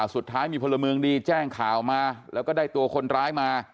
สุดท้ายมีพลเมืองดีแจ้งข่าวมาแล้วก็ได้ตัวคนร้ายมา